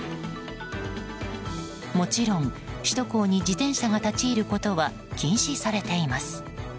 もちろん首都高に自転車が立ち入ることは禁止されています。